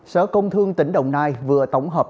sở công thương tỉnh đồng nai vừa tổng hợp